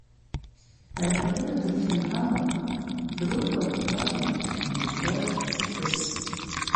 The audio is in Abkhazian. Аиҳабыра дырхьынҳалан, рыкәа дҭалан, рмаӷра дҭыс.